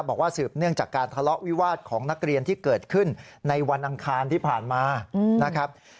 บอกว่าสืบเนื่องจากการทะเลาะวิวาสของนักเรียนที่เกิดขึ้นในวันอังคารที่ผ่านมานะครับ